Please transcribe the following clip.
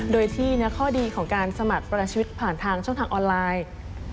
โดยที่เนื้อข้อดีของการสมัครประชิดผ่านทางช่องทางออนไลน์